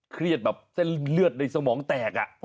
เครียดแบบเส้นเลือดในสมองแตก